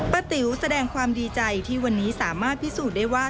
ติ๋วแสดงความดีใจที่วันนี้สามารถพิสูจน์ได้ว่า